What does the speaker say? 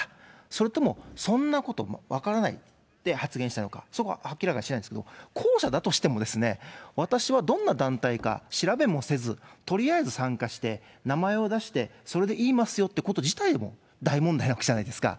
それとも、そんなこと分からないで発言したのか、そこは明らかにしないんですけども、後者だとしても、私はどんな団体か調べもせず、とりあえず参加して、名前を出して、それで言いますよということ自体も大問題なわけじゃないですか。